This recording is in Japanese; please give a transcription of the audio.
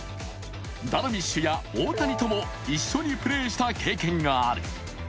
ダルビッシュや大谷とも一緒にプレーした経験がある。